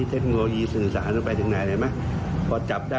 คนโง่ก็จะเป็นเหยื่อของคนฉลาด